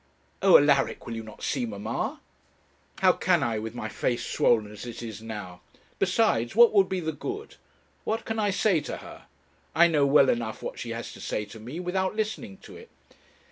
'Oh! Alaric, will you not see mamma?' 'How can I, with my face swollen as it is now? Besides, what would be the good? What can I say to her? I know well enough what she has to say to me, without listening to it.'